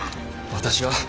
私は。